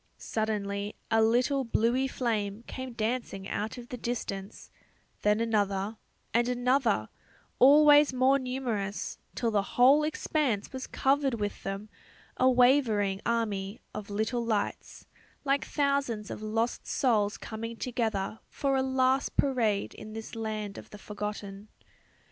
Suddenly a little bluey flame came dancing out of the distance, then another, and another, always more numerous, till the whole expanse was covered with them; a wavering army of little lights, like thousands of lost souls coming together for a last parade in this land of the forgotten.